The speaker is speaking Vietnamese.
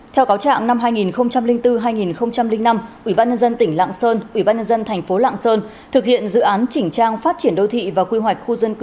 theo cáo trạng năm hai nghìn bốn hai nghìn năm ủy ban nhân dân tỉnh lạng sơn ủy ban nhân dân thành phố lạng sơn thực hiện dự án